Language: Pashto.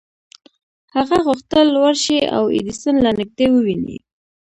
هغه غوښتل ورشي او ایډېسن له نږدې وويني.